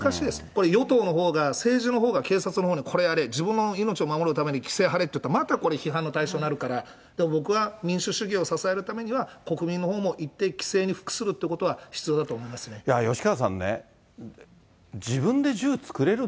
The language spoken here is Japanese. これ、与党のほうが、政治のほうが警察のほうにこれやれ、自分の命守るために規制張れって言ったら、またこれ、批判の対象になるから、僕は民主主義を支えるためには国民のほうも一定規制に服するって吉川さんね、自分で銃作れる。